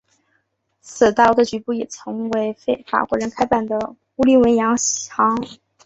此大楼的局部也曾为由法国人开办的乌利文洋行。